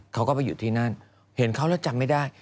เขาก็ไปอยู่ที่นั่นเห็นเขาแล้วจำไม่ได้